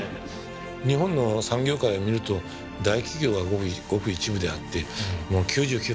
日本の産業界を見ると大企業がごく一部であってもう９９％は中小企業なんですね。